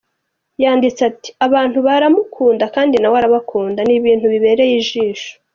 Yanditse ati:"Abantu baramukunda, kandi na we arabakunda! N'ibintu bibereye ijisho.